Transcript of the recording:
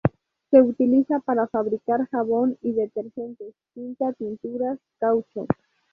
Se utiliza para fabricar jabón y detergentes, tinta, tinturas, caucho.